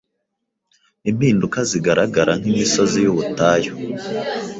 impinduka zigaragara nkimisozi yubutayu